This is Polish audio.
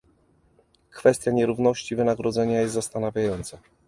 Kwestia nierówności wynagrodzenia jest zastanawiająca